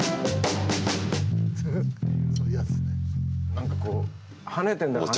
何かこう跳ねてんだか。